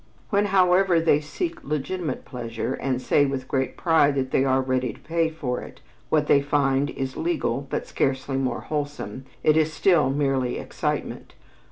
When, however, they seek legitimate pleasure, and say with great pride that they are "ready to pay for it," what they find is legal but scarcely more wholesome, it is still merely excitement.